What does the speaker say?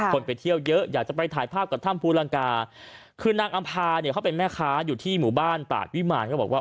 ไปเที่ยวเยอะอยากจะไปถ่ายภาพกับถ้ำภูลังกาคือนางอำภาเนี่ยเขาเป็นแม่ค้าอยู่ที่หมู่บ้านตาดวิมารก็บอกว่า